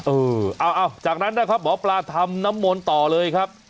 เออจากนั้นให้บ๋าปลาทำน้ำมนต์ต่อเลยครับ